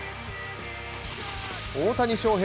大谷翔平